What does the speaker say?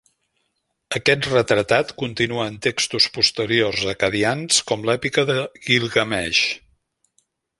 Aquest retratat continua en textos posteriors acadians com "L'èpica de Gilgamesh".